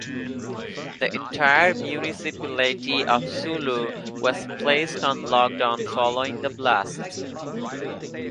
The entire municipality of Sulu was placed on lockdown following the blasts.